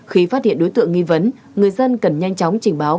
khi phát hiện đối tượng nghi vấn người dân cần nhanh chóng trình báo